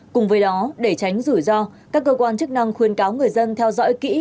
cùng với đó để tránh rủi ro các cơ quan chức năng khuyên cáo người dân theo dõi kỹ